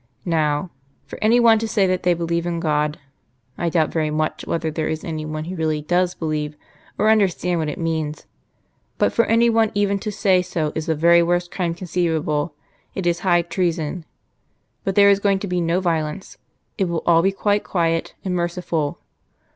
Now, for any one to say that they believe in God I doubt very much whether there is any one who really does believe, or understand what it means but for any one even to say so is the very worst crime conceivable: it is high treason. But there is going to be no violence; it will all be quite quiet and merciful.